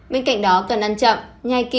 bên cạnh đó cần ăn chậm nhai kỹ